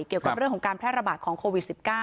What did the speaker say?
เกี่ยวกับเรื่องของการแพร่ระบาดของโควิด๑๙